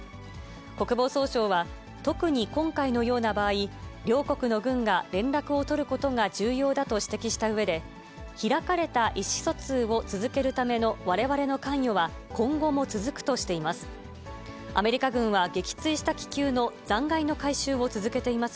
国防総省は、特に今回のような場合、両国の軍が連絡を取ることが重要だと指摘したうえで、開かれた意思疎通を続けるためのわれわれの関与は今後も続くとしています。